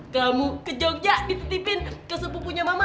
kamu ke jogja dititipin kesepupunya mama